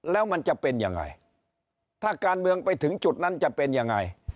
แล้วมันจะเป็นยังไงถ้าการเมืองไปถึงจุดนั้นจะเป็นยังไง